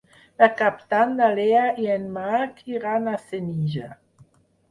Per Cap d'Any na Lea i en Marc iran a Senija.